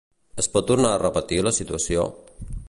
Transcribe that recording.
Es va tornar a repetir la situació?